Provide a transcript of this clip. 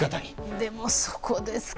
でも、そこですか。